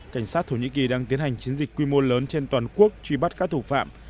cảnh sát thổ nhĩ kỳ đang tiến hành chiến dịch quy mô lớn trên toàn quốc truy bắt các thủ phạm